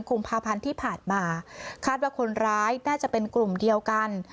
กุมภาพันธ์ที่ผ่านมาคาดว่าคนร้ายน่าจะเป็นกลุ่มเดียวกัน